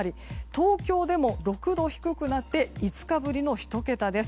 東京でも６度低くなって５日ぶりの１桁です。